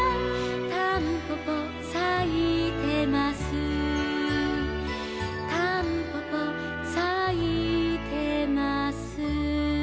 「たんぽぽさいてます」「たんぽぽさいてます」